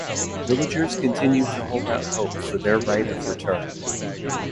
Villagers continue to hold out hope for their right of return.